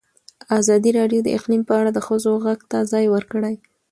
ازادي راډیو د اقلیم په اړه د ښځو غږ ته ځای ورکړی.